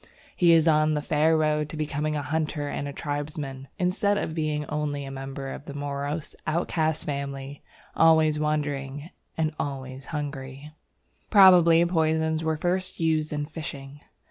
He is on the fair road to becoming a hunter and tribesman, instead of being only a member of a morose, outcast family, always wandering and always hungry. Probably poisons were first used in fishing.